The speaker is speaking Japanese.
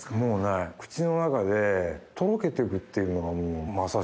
口の中でとろけてくっていうのがまさしく。